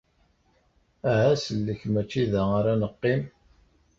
Aha sellek, mačči da ara ad neqqim!